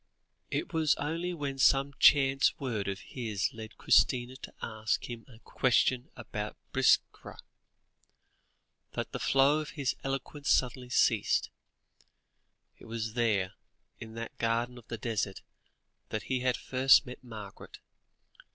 It was only when some chance word of his led Christina to ask him a question about Biskra, that the flow of his eloquence suddenly ceased. It was there, in that garden of the desert, that he had first met Margaret.